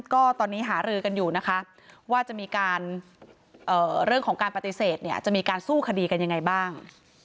ก็ตอนนี้หารือกันอยู่นะคะว่าจะมีการเรื่องของการปฏิเสธเนี่ยจะมีการสู้คดีกันยังไงบ้าง